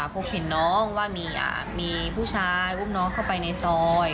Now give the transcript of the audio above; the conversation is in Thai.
พบเห็นน้องว่ามีผู้ชายอุ้มน้องเข้าไปในซอย